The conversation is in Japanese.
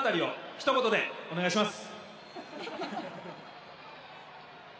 ひと言でお願いします！